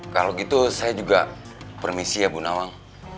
kalau gitu saya juga permisi ya bu nawang